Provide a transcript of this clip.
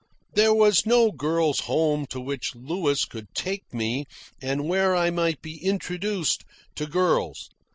There was no girl's home to which Louis could take me and where I might be introduced to girls.